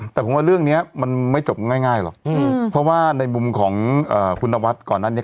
แต่ผมว่าเรื่องนี้มันไม่จบง่ายหรอกเพราะว่าในมุมของคุณนวัดก่อนหน้านี้